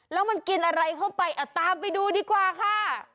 แล้วมันกินอะไรเข้าไปตามไปดูดีกว่าค่ะ